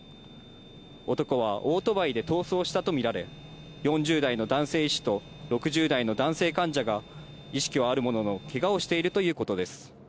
男はオートバイで逃走したと見られ、４０代の男性医師と６０代の男性患者が意識はあるものの、けがをしているということです。